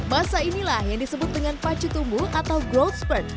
masa inilah yang disebut dengan pacu tumbuh atau growth spurt